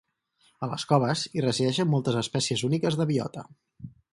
A les coves hi resideixen moltes espècies úniques de biota.